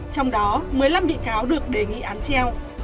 trong đó một mươi năm bị cáo được đề nghị án treo